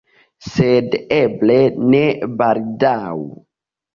Sed eble, ne baldaŭ.